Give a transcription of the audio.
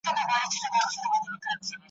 نیژدې لیري یې وړې پارچې پرتې وي ,